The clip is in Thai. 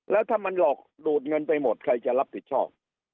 แล้วถ้ามันหลอกดูดเงินไปหมดใครจะรับผิดชอบ